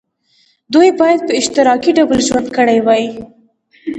دوی باید په اشتراکي ډول ژوند کړی وای.